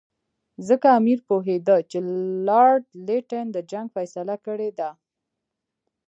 ځکه امیر پوهېدی چې لارډ لیټن د جنګ فیصله کړې ده.